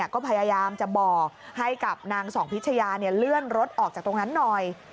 ก็พยายามจะบอกให้กับนางส่องพิชยาเลื่อนรถออกจากตรงนั้นหน่อย